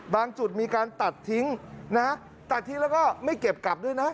จุดมีการตัดทิ้งนะตัดทิ้งแล้วก็ไม่เก็บกลับด้วยนะ